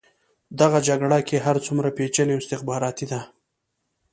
دغه جګړه که هر څومره پېچلې او استخباراتي ده.